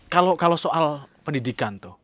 kalau soal pendidikan tuh